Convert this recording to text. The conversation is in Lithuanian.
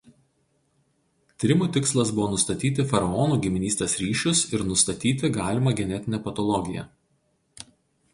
Tyrimų tikslas buvo nustatyti faraonų giminystės ryšius ir nustatyti galimą genetinę patologiją.